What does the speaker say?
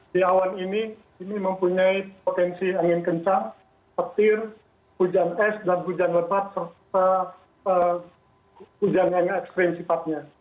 di awan ini mempunyai potensi angin kencang petir hujan es dan hujan lebat serta hujan yang ekstrim sifatnya